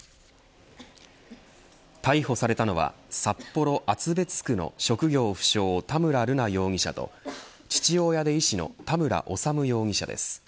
逮捕されたのは札幌厚別区の職業不詳、田村瑠奈容疑者と父親で医師の田村修容疑者です。